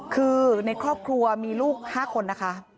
คือในครอบครัวมีลูก๕คนนะคะ